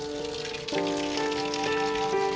aku mau kita sekedar balik